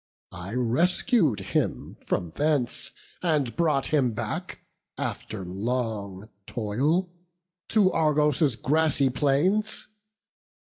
I rescued him from thence, and brought him back, After long toil, to Argos' grassy plains.